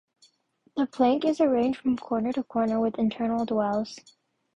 The plank is arranged from corner to corner with internal dowels.